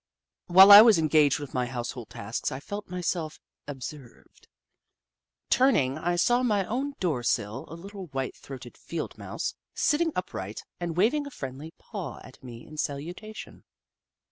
While I was engaged with my household tasks, I felt myself observed. Turning, I saw upon my door sill a little white throated Field Mouse, sitting upright, and waving a friendly paw at me in salutation.